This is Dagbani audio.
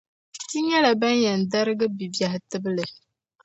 Ti nyɛla ban yɛn dargi bibiɛhi tibli